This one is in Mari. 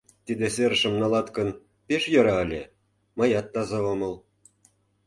Тиде серышым налат гын, пеш йӧра ыле... мыят таза омыл».